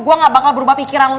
gua gak bakal berubah pikiran